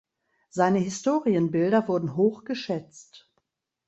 Seine Historienbilder wurden hoch geschätzt.